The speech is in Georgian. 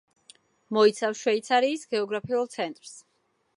მოიცავს შვეიცარიის გეოგრაფიულ ცენტრს.